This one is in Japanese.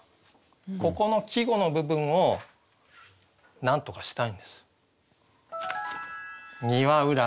ここの季語の部分をなんとかしたいんです。